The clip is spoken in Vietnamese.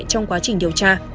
trong quá trình điều tra